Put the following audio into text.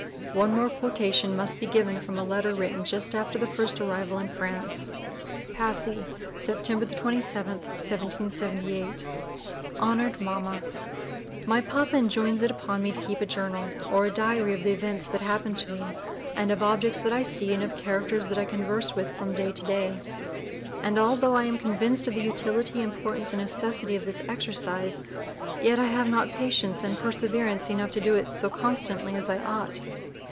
One (p. 005) more quotation must be given from a letter written just after the first arrival in France: PASSY, September the 27th, 1778. HONORED MAMMA, My Pappa enjoins it upon me to keep a Journal, or a Diary of the Events that happen to me, and of objects that I see, and of Characters that I converse with from day to day; and altho' I am Convinced of the utility, importance and necessity of this Exercise, yet I have not patience and perseverance enough to do it so Constantly as I ought.